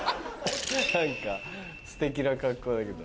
何かステキな格好だけど。